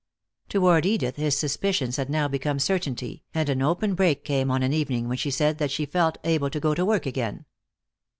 Toward Edith his suspicions had now become certainty, and an open break came on an evening when she said that she felt able to go to work again.